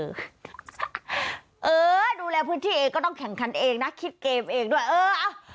เออดูแลพื้นที่เองก็ต้องแข่งขันเองนะคิดเกมเองด้วยเอออ่ะ